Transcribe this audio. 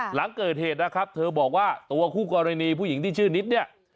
หลังเกิดเหตุนะครับเธอบอกว่าตัวคู่กรณีผู้หญิงที่ชื่อนิดเนี่ย